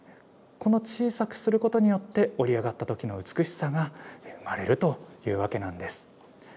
小さくすることによって織り上がったときの美しさが生まれるというわけなんです。